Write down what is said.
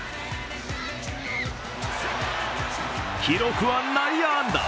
記録は内野安打。